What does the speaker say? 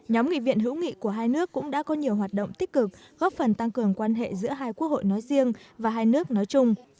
nhóm nghị viện hữu nghị của hai nước cũng đã có nhiều hoạt động tích cực góp phần tăng cường quan hệ giữa hai quốc hội nói riêng và hai nước nói chung